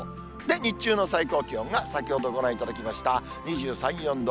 日中の最高気温が先ほどご覧いただきました２３、４度。